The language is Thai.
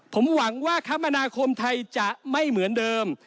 ผมหวังว่าคมนาคมไทยจะไม่เหมือนเดิม